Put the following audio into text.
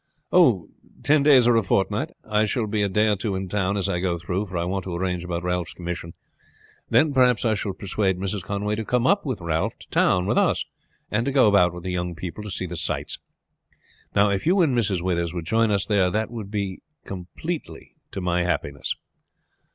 "Oh, ten days or a fortnight. I shall be a day or two in town as I go through, for I want to arrange about Ralph's commission. Then, perhaps, I shall persuade Mrs. Conway to come up with Ralph to town with us, and to go about with the young people to see the sights. Now, if you and Mrs. Withers would join us there, that would complete my happiness."